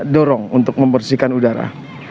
dorong untuk membersihkan udara